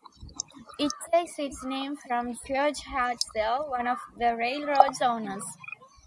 It takes its name from George Hartsell, one of the railroad's owners.